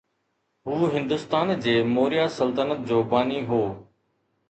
هو هندستان جي موريا سلطنت جو باني هو